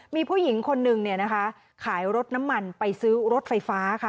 มีผู้หญิงคนนึงเนี่ยนะคะขายรถน้ำมันไปซื้อรถไฟฟ้าค่ะ